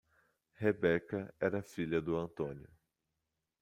Rebeca era filha do Antônio.